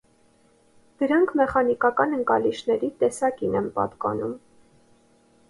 Դրանք մեխանիկական ընկալիչների տեսակին են պատկանում։